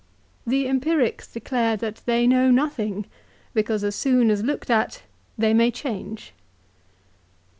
The Empirics declare that they know nothing ; because as soon as looked at they may change."